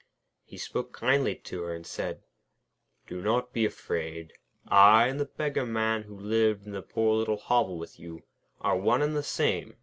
He spoke kindly to her, and said: 'Do not be afraid. I and the Beggar Man, who lived in the poor little hovel with you, are one and the same.